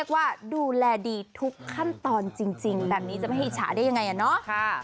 แบบนี้จะไม่ให้อิจฉาได้ยังไงอ่ะเนาะ